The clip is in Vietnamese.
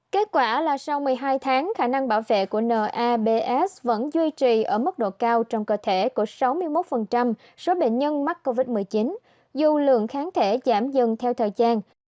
kết quả là sau một mươi hai tháng khả năng bảo vệ của nabs vẫn duy trì ở mức độ cao trong cơ thể của sáu mươi một số bệnh nhân mắc covid một mươi chín dù lượng kháng thể giảm dần theo thời gian